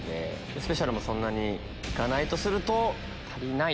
スペシャルメニューもそんなに行かないとすると足りない。